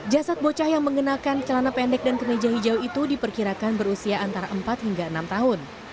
jasad bocah yang mengenakan celana pendek dan kemeja hijau itu diperkirakan berusia antara empat hingga enam tahun